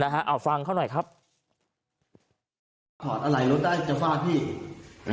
นะฮะเอาฟังเขาหน่อยครับถอดอะไหล่รถได้จะฝ้าพี่อืม